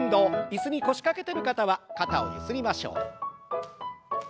椅子に腰掛けてる方は肩をゆすりましょう。